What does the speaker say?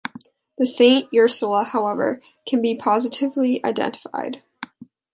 The "Saint Ursula", however, can be positively identified.